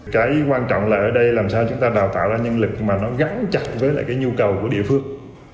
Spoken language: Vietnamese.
cái quan trọng là ở đây làm sao chúng ta đào tạo ra nhân lực mà nó gắn chặt với lại cái nhu cầu của địa phương